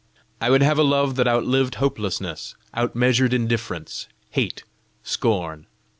I would have a love that outlived hopelessness, outmeasured indifference, hate, scorn!